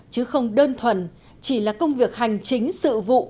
chứ không đơn thuần chỉ là công việc hành chính sự vụ